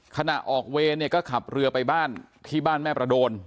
ขณะออกเวรเนี่ยก็ขับเรือไปบ้านที่บ้านแม่ประโดน